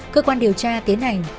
cơ quan điều tra tiến hành